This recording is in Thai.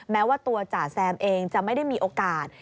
แม้ว่าตัวจ่าแซมเองจะไม่ได้มีโอกาส